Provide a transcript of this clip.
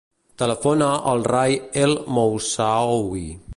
Telefona al Rai El Moussaoui.